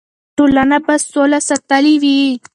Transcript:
ټولنه به سوله ساتلې وي.